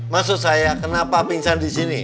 maksud saya kenapa pingsan di sini